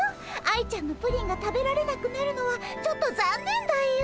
愛ちゃんのプリンが食べられなくなるのはちょっとざんねんだよ。